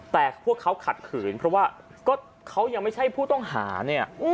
แต่พวกเขาขัดขืนเพราะว่าก็เขายังไม่ใช่ผู้ต้องหาเนี่ย